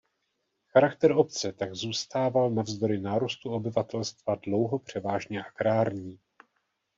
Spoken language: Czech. Charakter obce tak zůstával navzdory nárůstu obyvatelstva dlouho převážně agrární.